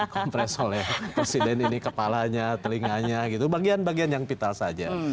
kompres oleh presiden ini kepalanya telinganya gitu bagian bagian yang vital saja